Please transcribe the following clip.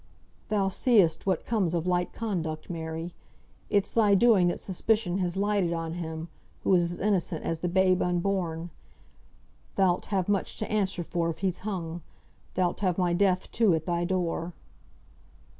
"Thou seest what comes of light conduct, Mary! It's thy doing that suspicion has lighted on him, who is as innocent as the babe unborn. Thou'lt have much to answer for if he's hung. Thou'lt have my death too at thy door!"